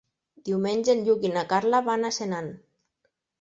Diumenge en Lluc i na Carla van a Senan.